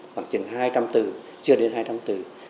khoảng chừng hai trăm linh từ chưa đến hai trăm linh từ